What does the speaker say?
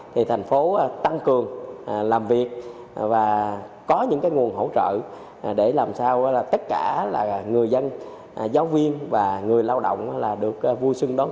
thì thành phố tăng cường làm việc và có những nguồn hỗ trợ để làm sao tất cả là người dân giáo viên và người lao động là được vui sưng đón tết